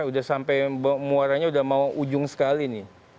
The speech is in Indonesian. udah sampai muaranya udah mau ujung sekali nih